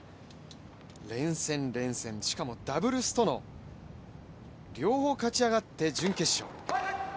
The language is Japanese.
連戦、連戦、しかもダブルスとの両方勝ち上がって準決勝。